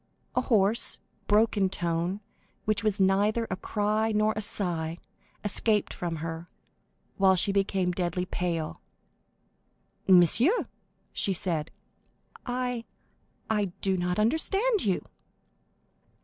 A hoarse, broken tone, which was neither a cry nor a sigh, escaped from her, while she became deadly pale. "Monsieur," she said, "I—I do not understand you."